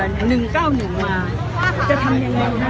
จะทำยังไง